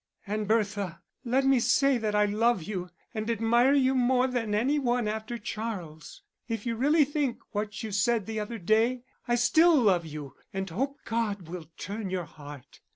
"And Bertha, let me say that I love you and admire you more than any one after Charles. If you really think what you said the other day, I still love you and hope God will turn your heart.